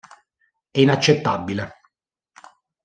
È inaccettabile".